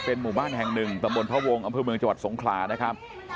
หมู่บ้านแห่งหนึ่งตะบนพระวงศ์อำเภอเมืองจังหวัดสงขลานะครับ